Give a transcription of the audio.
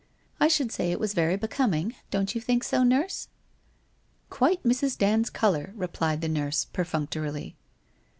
' I should say it was very becoming, don't you think so, nurse ?' 1 Quite Mrs. Dand's colour !' replied the nurse, per functorily.